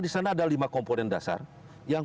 disana ada lima komponen dasar yang